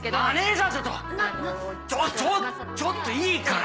ちょちょっといいから！